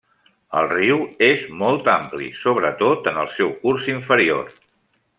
El riu és molt ampli, sobretot en el seu curs inferior.